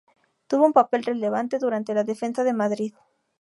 Tuvo un papel relevante durante la defensa de Madrid.